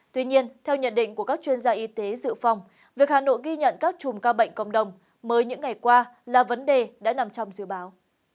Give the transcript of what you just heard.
tuy nhiên theo nhận định của các chuyên gia y tế dự phòng việc hà nội ghi nhận các chùm ca bệnh cộng đồng mới những ngày qua là vấn đề đã nằm trong dự báo